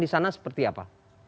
disana seperti apa